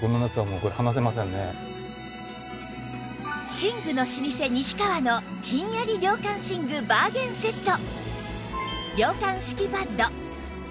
寝具の老舗西川のひんやり涼感寝具バーゲンセット